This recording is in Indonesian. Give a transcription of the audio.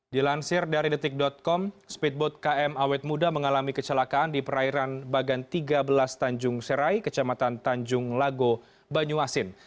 dilansir dari detik com speedboat km awet muda mengalami kecelakaan di perairan bagan tiga belas tanjung serai kecamatan tanjung lago banyuasin